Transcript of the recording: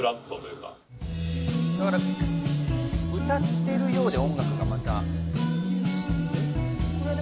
歌ってるようで音楽がまた。